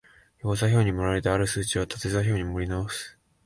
横座標に盛られた或る数値を縦座標に盛り直す